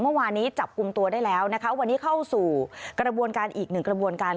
เมื่อวานนี้จับกลุ่มตัวได้แล้วนะคะวันนี้เข้าสู่กระบวนการอีกหนึ่งกระบวนการ